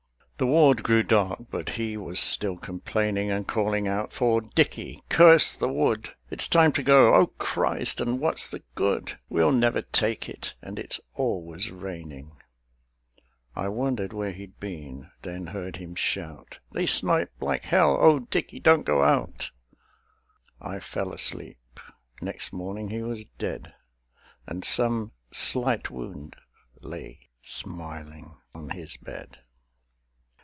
The ward grew dark; but he was still complaining, And calling out for "Dickie." "Curse the Wood! "It's time to go; O Christ, and what's the good? We'll never take it; and it's always raining." I wondered where he'd been; then heard him shout, "They snipe like hell! O Dickie, don't go out" ... I fell asleep ... next morning he was dead; And some Slight Wound lay smiling on his bed.